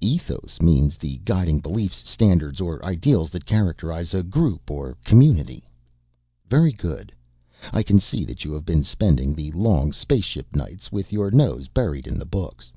Ethos means the guiding beliefs, standards or ideals that characterize a group or community." "Very good, I can see that you have been spending the long spaceship nights with your nose buried in the books.